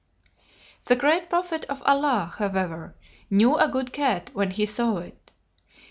The great prophet of Allah, however, knew a good cat when he saw it.